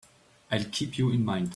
I'll keep you in mind.